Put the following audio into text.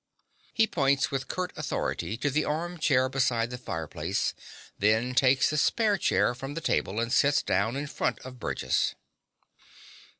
(He points with curt authority to the arm chair beside the fireplace; then takes the spare chair from the table and sits down in front of Burgess.)